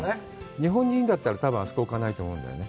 日本人だったら、多分あそこに置かないと思うんだよね。